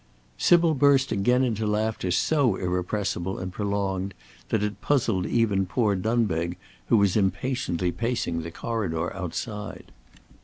Sybil burst again into laughter so irrepressible and prolonged that it puzzled even poor Dunbeg, who was impatiently pacing the corridor outside.